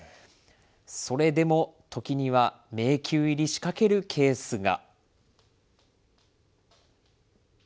それでも、ときには迷宮入りしかけるケースが。